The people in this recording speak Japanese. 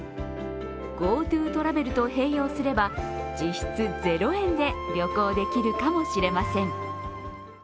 ＧｏＴｏトラベルと併用すれば実質０円で旅行できるかもしれません。